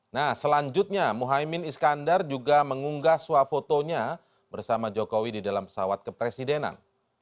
nah selanjutnya muhammad iskandar juga mengunggah swafotonya bersama jokowi di dalam pesawat ke presidenan